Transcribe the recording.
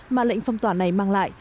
mà lệnh phong tỏa này mang lại